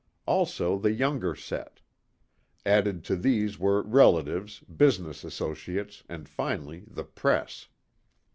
Also the Younger Set. Added to these were relatives, business associates and finally the Press.